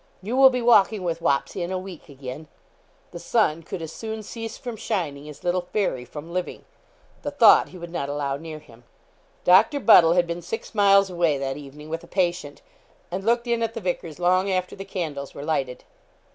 You will be walking with Wapsie in a week again.' The sun could as soon cease from shining as little Fairy from living. The thought he would not allow near him. Doctor Buddle had been six miles away that evening with a patient, and looked in at the vicar's long after the candles were lighted.